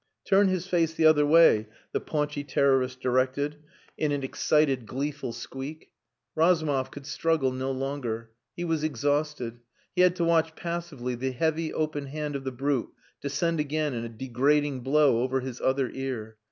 "Turn his face the other way," the paunchy terrorist directed, in an excited, gleeful squeak. Razumov could struggle no longer. He was exhausted; he had to watch passively the heavy open hand of the brute descend again in a degrading blow over his other ear.